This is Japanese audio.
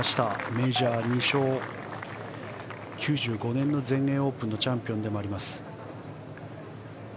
メジャー２勝９５年の全英オープンのチャンピオンでもあります。